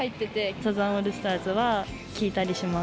サザンオールスターズは聴いたりします。